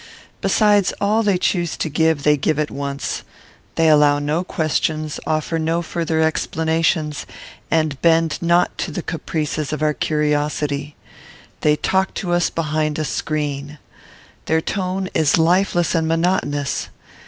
Besides, all they choose to give they give at once; they allow no questions, offer no further explanations, and bend not to the caprices of our curiosity. They talk to us behind a screen. Their tone is lifeless and monotonous.